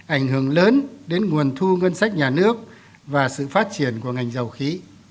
ảnh hưởng lớn đến nguồn thu ngân sách nhà nước và sự phát triển của ngành dầu khí